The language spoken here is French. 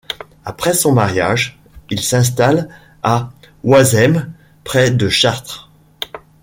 Après son mariage, il s'installe à Oisème, près de Chartres.